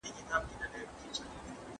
د ناز لاسونه دواړه